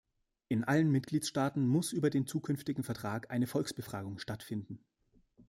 In allen Mitgliedstaaten muss über den zukünftigen Vertrag eine Volksbefragung stattfinden.